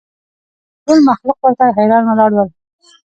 ټول مخلوق ورته حیران ولاړ ول